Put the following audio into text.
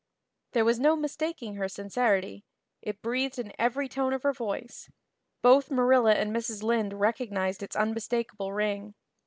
There was no mistaking her sincerity it breathed in every tone of her voice. Both Marilla and Mrs. Lynde recognized its unmistakable ring.